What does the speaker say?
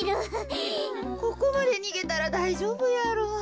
ここまでにげたらだいじょうぶやろ。